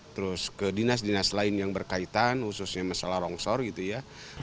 terus ke dinas dinas lain yang berkaitan khususnya masalah longsor gitu ya